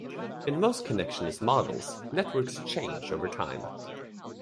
In most connectionist models, networks change over time.